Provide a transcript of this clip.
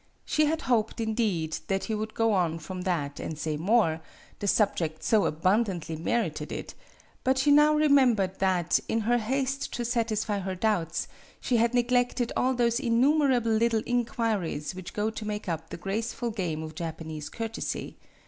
She had hoped, indeed, that he would go on from that and say more, the subject so abundantly merited it; but MADAME BUTTERFLY 51 she now remembered that, in her haste to satisfy her doubts, she had neglected all those innumerable little inquiries which go to make up the graceful game of Japanese courtesy.